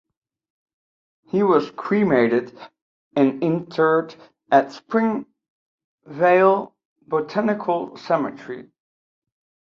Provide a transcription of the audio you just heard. He was cremated and interred at Springvale Botanical Cemetery.